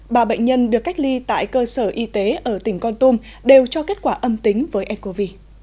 bà bệnh nhân được cách ly tại cơ sở y tế ở tỉnh con tum đều cho kết quả âm tính với ncov